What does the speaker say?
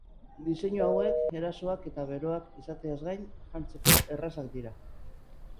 Diseinu hauek erosoak eta beroak izateaz gain, janzteko errazak dira.